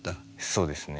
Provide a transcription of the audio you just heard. そうですね。